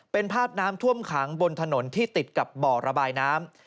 เป็นภาพน้ำท่วมขังบนถนนที่ติดกับบ่อระบายน้ำ